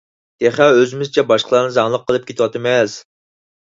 تېخى ئۆزىمىزچە باشقىلارنى زاڭلىق قىلىپ كېتىۋاتىمىز.